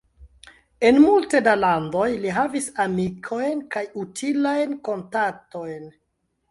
En multe da landoj li havis amikojn kaj utilajn kontaktojn.